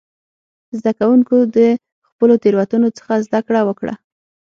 زده کوونکو د خپلو تېروتنو څخه زده کړه وکړه.